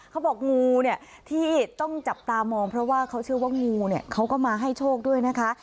งูเนี่ยที่ต้องจับตามองเพราะว่าเขาเชื่อว่างูเนี่ยเขาก็มาให้โชคด้วยนะคะ